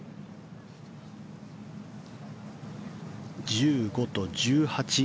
１５と１８